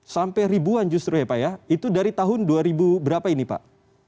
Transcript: sampai ribuan justru ya pak ya itu dari tahun dua ribu berapa ini pak